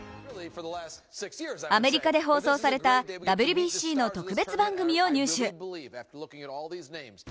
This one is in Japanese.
アメリカで放送されたＷＢＣの特別番組を入手。